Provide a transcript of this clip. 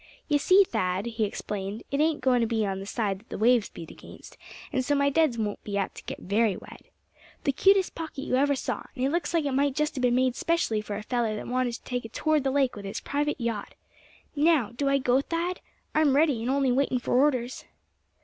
"You see, Thad," he explained, "it ain't goin' to be on the side that the waves beat against, and so my duds won't be apt to get very wet. The cutest pocket you ever saw; and looks like it might just have been made specially for a feller that wanted to take a tour of the lake with his private yacht Now, do I go, Thad? I'm ready, and only waitin' for orders."